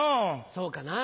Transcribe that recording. そうかなぁ。